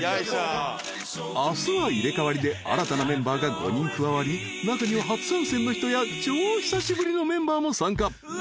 ［明日は入れ替わりで新たなメンバーが５人加わり中には初参戦の人や超久しぶりのメンバーも参加］